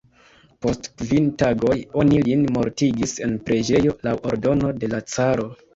Post kvin tagoj oni lin mortigis en preĝejo, laŭ ordono de la caro.